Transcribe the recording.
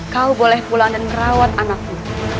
kau boleh pulang dan merawat anakku